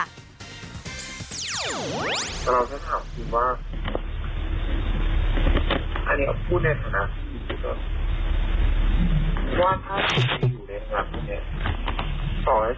เราจะถามคุณว่า